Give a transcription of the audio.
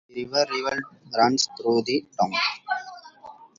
The River Ivel runs through the town.